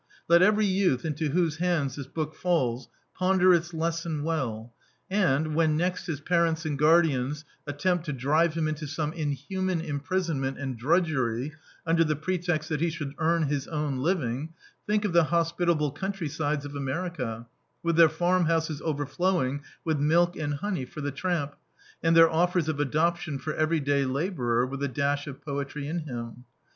Let every youth Into whose hands this book falls ponder Its lesson well, and, when next his parents and guardians attempt to drive him Into some inhuman imprison ment and drudgery under the pretext that he should earn his own living, think of the hospitable country sides of America, with their farm houses overflow ing with milk and honey for the tramp, and their offers of adoption for every day labourer with a dash of poetry in him.